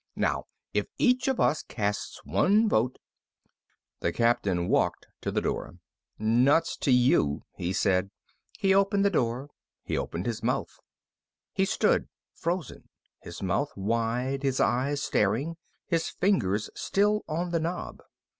Now, if each of us casts one vote " The Captain walked to the door. "Nuts to you," he said. He opened the door. He opened his mouth. He stood frozen, his mouth wide, his eyes staring, his fingers still on the knob.